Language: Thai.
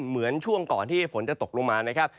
เหมือนช่วงก่อนที่ฝนจะตกลงมานะครับ